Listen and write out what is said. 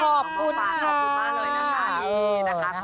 ขอบคุณค่ะ